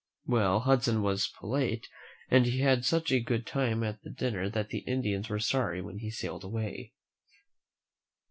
Well, Hudson was polite, and he had such a good time at the dinner that the Indians were sorry when he sailed away.